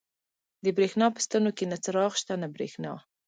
د برېښنا په ستنو کې نه څراغ شته، نه برېښنا.